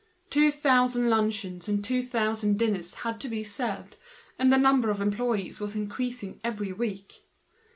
Two thousand luncheons and two thousand dinners had to be served, and the number of employees was increasing every week.